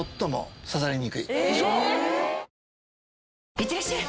いってらっしゃい！